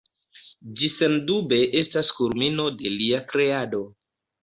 Ĝi sendube estas kulmino de lia kreado.